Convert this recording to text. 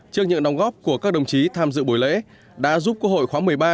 trước những đóng góp của các đồng chí tham dự buổi lễ đã giúp quốc hội khóa một mươi ba